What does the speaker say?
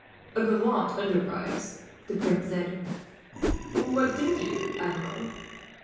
"A gallant enterprise," the prince said. "What think you, Admiral?"